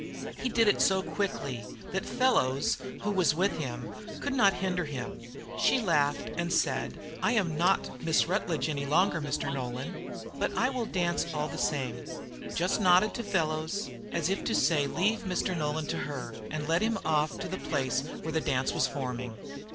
He did it so quickly, that Fellows, who was with him, could not hinder him. She laughed and said, "I am not Miss Rutledge any longer, Mr. Nolan; but I will dance all the same," just nodded to Fellows, as if to say he must leave Mr. Nolan to her, and led him off to the place where the dance was forming.